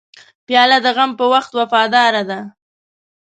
پیاله د غم په وخت وفاداره ده.